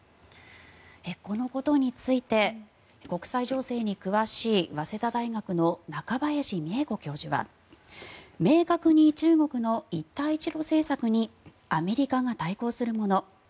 このことについて国際情勢に詳しい早稲田大学の中林美恵子教授は明確に中国の一帯一路政策にアメリカが対抗するもの